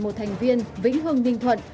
một thành viên vĩnh hương ninh thuận